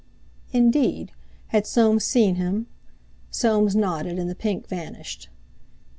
Indeed! Had Soames seen him? Soames nodded, and the pink vanished.